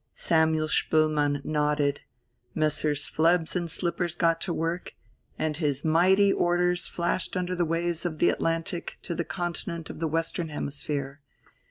Samuel Spoelmann nodded, Messrs. Phlebs and Slippers got to work, and his mighty orders flashed under the waves of the Atlantic to the Continent of the Western Hemisphere.